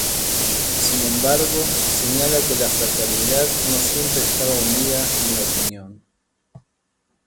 Sin embargo, señala que la fraternidad no siempre estaba unida en la opinión.